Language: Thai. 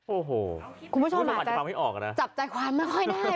โอ้โหคุณผู้ชมอาจจะจับจากความไม่ค่อยได้